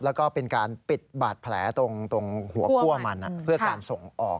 แล้วก็เป็นการปิดบาดแผลตรงหัวคั่วมันเพื่อการส่งออก